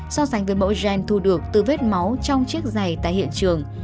so sánh với mẫu gen thu được từ vết máu trong chiếc giày tại hiện trường